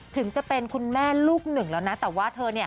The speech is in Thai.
ถึงจะเป็นคุณแม่ลูกหนึ่งแล้วนะแต่ว่าเธอ